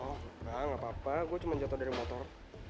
engga gapapa gue cuma jatoh dari motor